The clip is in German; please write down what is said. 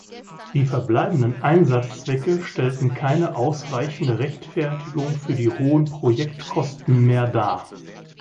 Die verbleibenden Einsatzzwecke stellten keine ausreichende Rechtfertigung für die hohen Projektkosten mehr dar.